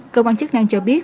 cơ quan chức năng cho biết